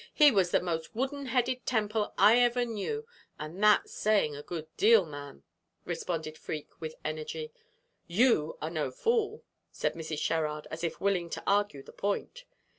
He was the most wooden headed Temple I ever knew, and that's saying a good deal, ma'am!" responded Freke, with energy. "You are no fool," said Mrs. Sherrard, as if willing to argue the point.